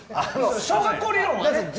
小学校理論。